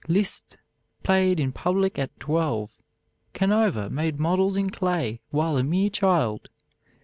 Liszt played in public at twelve. Canova made models in clay while a mere child.